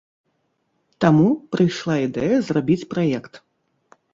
Таму прыйшла ідэя зрабіць праект.